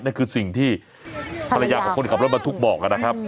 นั่นคือสิ่งที่ภรรยาของคนขับรถบรรทุกบอกนะครับ